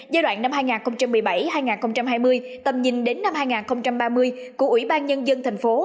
giai đoạn năm hai nghìn một mươi bảy hai nghìn hai mươi tầm nhìn đến năm hai nghìn ba mươi của ủy ban nhân dân thành phố